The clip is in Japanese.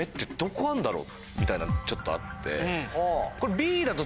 みたいなのちょっとあって。